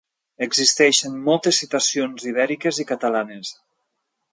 Existeixen moltes citacions ibèriques i catalanes.